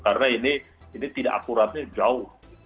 karena ini tidak akuratnya jauh